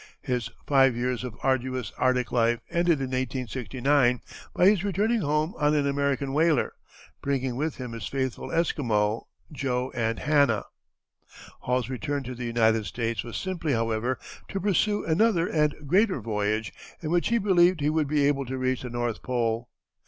His five years of arduous Arctic life ended in 1869 by his returning home on an American whaler, bringing with him his faithful Esquimaux, Joe and Hannah. Hall's return to the United States was simply, however, to pursue another and greater voyage, in which he believed he would be able to reach the North Pole.